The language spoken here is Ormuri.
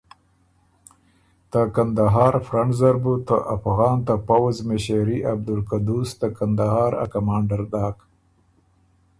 ته قندهار فرنټ زر بُو ته افغان ته پؤځ مِݭېري عبدالقدوس ته قندهار ا کمانډر داک۔